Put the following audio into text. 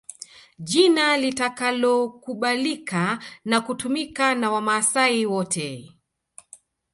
Jina litakalokubalika na kutumika na Wamaasai wote